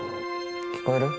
聞こえる？